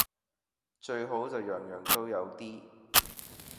最好就樣樣都有啲